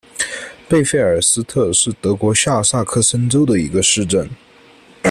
贝费尔斯特是德国下萨克森州的一个市镇。